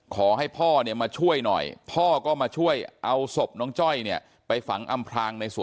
น้องจ้อยนั่งก้มหน้าไม่มีใครรู้ข่าวว่าน้องจ้อยเสียชีวิตไปแล้ว